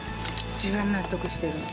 一番納得してるの。